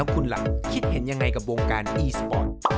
โอเคนะครับโอเคนะครับโอเคนะครับ